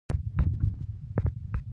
خولۍ د پګړۍ لاندې هم اغوستل کېږي.